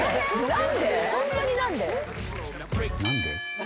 何で？